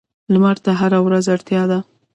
لمر ته هره ورځ اړتیا ده.